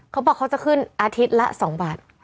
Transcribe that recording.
เขาบอกเขาจะขึ้นอาทิตย์ละ๒บาท